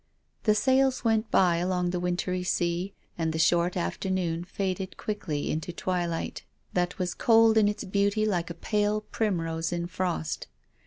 The sails went by along the wintry sea, and the short afternoon faded quickly into a twilight that was cold in its beauty like a pale prim rose in frost.